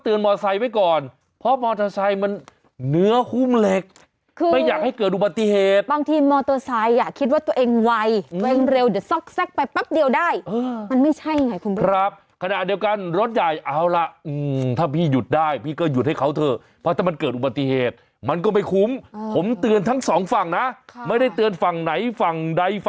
ถูกต้องเราก็เลยแซง